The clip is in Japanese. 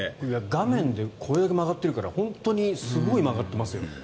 画面でこれだけ曲がっているから本当にすごい曲がってますよ。